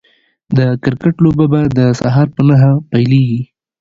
د کرکټ لوبه به د سهار په نهه پيليږي